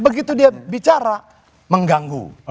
begitu dia bicara mengganggu